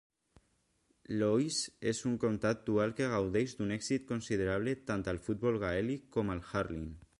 Laois és un comptat dual que gaudeix d'un èxit considerable tant al futbol gaèlic com al hurling.